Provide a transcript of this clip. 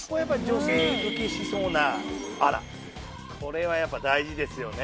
女性ウケしそうなあらこれはやっぱ大事ですよね。